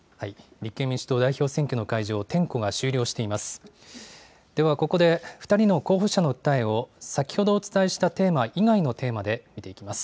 立憲民主党代表選挙の会場、点呼が終了しています。